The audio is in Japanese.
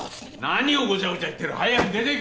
何をごちゃごちゃ言ってる早く出ていけ。